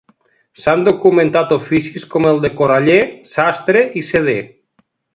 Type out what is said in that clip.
S'han documentat oficis com el de coraller, sastre i seder.